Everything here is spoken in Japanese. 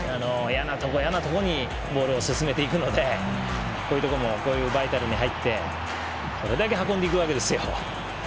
嫌なところにボールを進めていくのでこういうところもバイタルに入ってこれだけ運んでいくわけですよ。